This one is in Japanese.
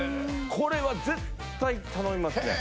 これは絶対頼みますね。